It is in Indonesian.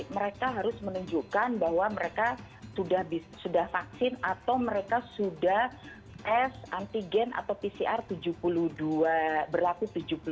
mereka harus menunjukkan bahwa mereka sudah vaksin atau mereka sudah tes antigen atau pcr berlaku tujuh puluh dua